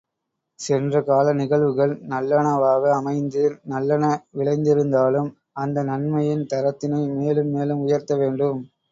சென்றகால நிகழ்வுகள் நல்லனவாக அமைந்து நல்லன விளைந்திருந்தாலும் அந்த நன்மையின் தரத்தினை மேலும் மேலும் உயர்த்த வேண்டும்.